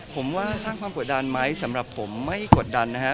ผมว่าสร้างความกดดันไหมสำหรับผมไม่กดดันนะครับ